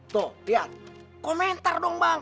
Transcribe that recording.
tuh lihat komentar dong bang